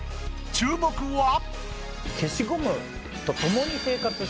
注目は。